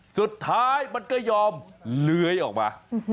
สุดท้ายมันก็ยอมเลื้อยออกมา